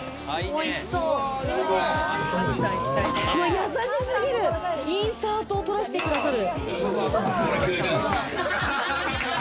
優し過ぎる、インサートを撮らせてくれる。